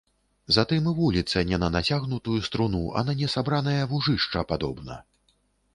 Затым і вуліца не на нацягнутую струну, а на несабранае вужышча падобна.